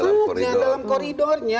boleh semuanya dalam koridornya